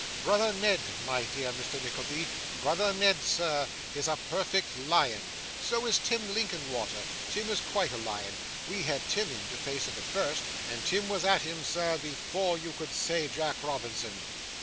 Brother Ned, my dear Mr. Nickleby brother Ned, sir, is a perfect lion. So is Tim Linkinwater; Tim is quite a lion. We had Tim in to face him at first, and Tim was at him, sir, before you could say "Jack Robinson."